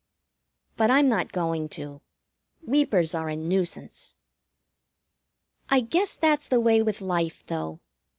But I'm not going to. Weepers are a nuisance. I guess that's the way with life, though.